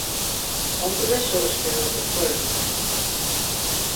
Ont̆uleşi oşkenas oxori miğun.